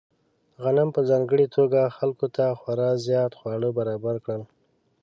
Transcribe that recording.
غنم په ځانګړې توګه خلکو ته خورا زیات خواړه برابر کړل.